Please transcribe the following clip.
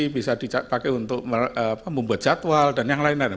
bisa dipakai untuk membuat jadwal dan yang lain lain